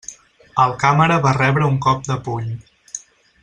El càmera va rebre un cop de puny.